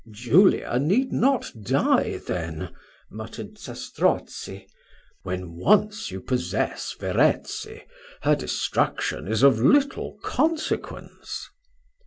"Julia need not die then," muttered Zastrozzi; "when once you possess Verezzi, her destruction is of little consequence."